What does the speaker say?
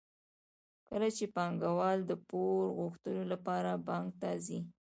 کله چې پانګوال د پور غوښتلو لپاره بانک ته ځي